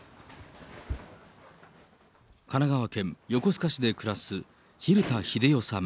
神奈川県横須賀市で暮らす蛭田秀代さん